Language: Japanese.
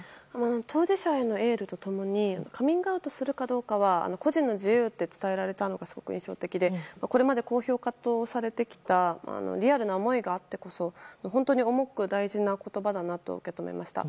当事者へのエールと共にカミングアウトするかどうかは個人の自由って伝えられたのがすごく印象的でこれまでのことはリアルな思いがあってこそ本当に重く大事な言葉だなと受け止めました。